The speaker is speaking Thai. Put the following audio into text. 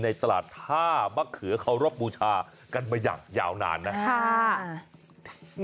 ในตลาดท่ามะเขือเคารพบูชากันมาอย่างยาวนานนะ